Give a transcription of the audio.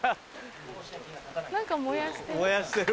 何か燃やしてる。